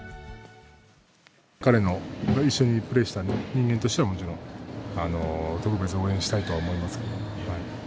彼と一緒にプレーした人間としてはもちろん、特別に応援したいと思いますけれども。